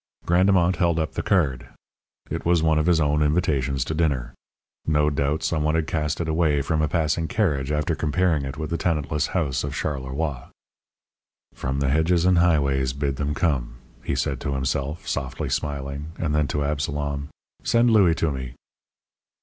Grandemont held up the card. It was one of his own invitations to dinner. No doubt some one had cast it away from a passing carriage after comparing it with the tenantless house of Charleroi. "From the hedges and highways bid them come," he said to himself, softly smiling. And then to Absalom: "Send Louis to me."